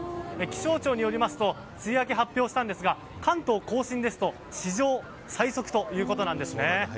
気象庁によりますと梅雨明け発表したんですが関東・甲信ですと史上最速ということなんです。